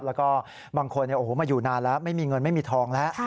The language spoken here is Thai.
แล้วก็บางคนมาอยู่นานแล้วไม่มีเงินไม่มีทองแล้ว